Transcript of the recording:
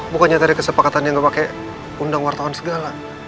bukannya tadi kesepakatan yang gak pake undang wartawan segala